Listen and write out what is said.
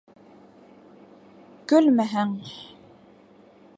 Көлмәһәң...